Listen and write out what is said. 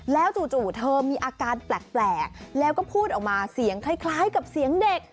แล้วจู่เธอมีอาการแปลกแล้วก็พูดออกมาเสียงคล้ายกับเสียงเด็ก